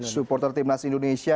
supporter timnas indonesia